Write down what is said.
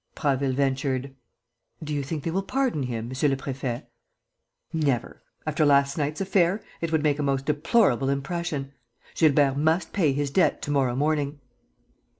Prasville ventured: "Do you think they will pardon him, monsieur le préfet?" "Never! After last night's affair, it would make a most deplorable impression. Gilbert must pay his debt to morrow morning."